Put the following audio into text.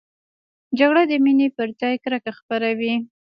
جګړه د مینې پر ځای کرکه خپروي